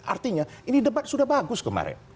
artinya ini debat sudah bagus kemarin